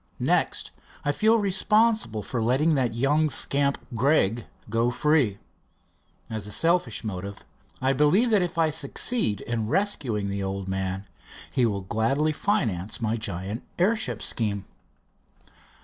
Next, I feel responsible for letting that young scamp, Gregg, go free. At a selfish motive, I believe that if I succeed in rescuing the old man he will gladly finance my giant airship scheme."